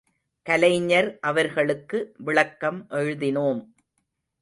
கலைஞர் அவர்களுக்கு விளக்கம் எழுதினோம்!